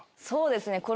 そうですね